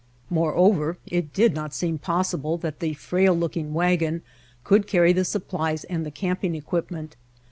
More over, it did not seem possible that the frail looking wagon could carry the supplies and the camping equipment.